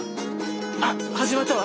あっ始まったわ！